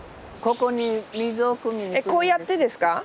こうやってですか？